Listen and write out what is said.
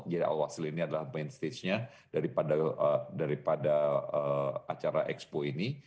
jadi al wasl ini adalah main stage nya daripada acara expo ini